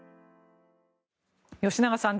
吉永さん